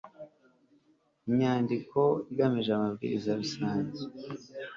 inyandiko igamije amabwiriza rusange